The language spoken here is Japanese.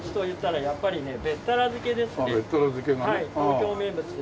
東京名物で。